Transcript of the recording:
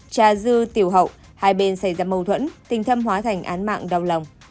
trà dư tiểu hậu hai bên xảy ra mâu thuẫn tình thâm hóa thành án mạng đau lòng